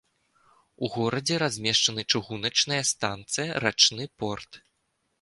У горадзе размешчаны чыгуначная станцыя, рачны порт.